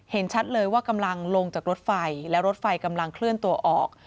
เห็นชัดเลยว่ากำลังลงจากรถไฟและรถไฟกำลังเคลื่อนตัวออก